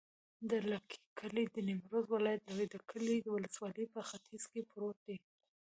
د دلکي کلی د نیمروز ولایت، دلکي ولسوالي په ختیځ کې پروت دی.